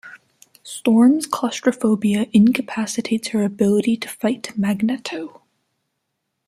Storm's claustrophobia incapacitates her ability to fight Magneto.